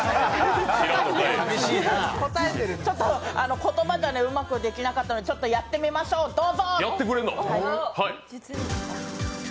言葉ではうまくできなかったので、やってみましょう、どうぞ！